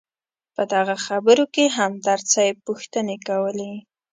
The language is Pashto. په دغه خبرو کې همدرد صیب پوښتنې کولې.